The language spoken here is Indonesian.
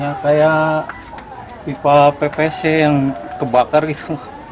ya kayak pipa ppc yang kebakar gitu